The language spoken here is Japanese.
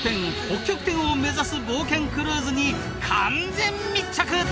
北極点を目指す冒険クルーズに完全密着！